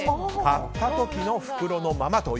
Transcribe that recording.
買った時の袋のまま。